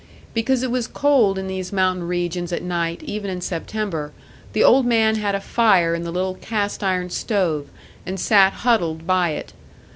Because it was cold in these mountain regions at night, even in September, the old man had a fire in the little cast iron stove, and sat huddled by it.